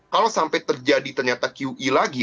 kalau sampai terjadi ternyata qe lagi